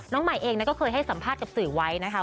ใหม่เองก็เคยให้สัมภาษณ์กับสื่อไว้นะคะ